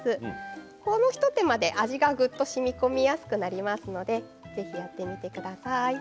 この一手間で味がぐっとしみこみやすくなりますのでぜひやってみてください。